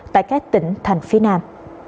tại các tỉnh thành phía nam